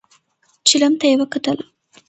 چيلم ته يې وکتل.